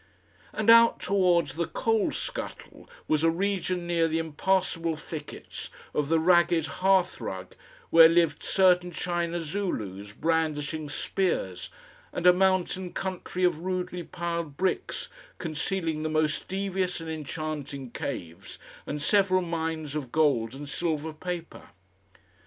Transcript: And out towards the coal scuttle was a region near the impassable thickets of the ragged hearthrug where lived certain china Zulus brandishing spears, and a mountain country of rudely piled bricks concealing the most devious and enchanting caves and several mines of gold and silver paper.